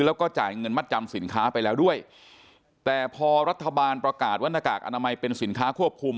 แล้วก็จ่ายเงินมัดจำสินค้าไปแล้วด้วยแต่พอรัฐบาลประกาศว่าหน้ากากอนามัยเป็นสินค้าควบคุม